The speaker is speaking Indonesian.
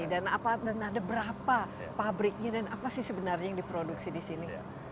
dan ada berapa pabriknya dan apa sih sebenarnya yang diproduksi di sini